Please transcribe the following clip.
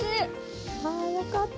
あよかった。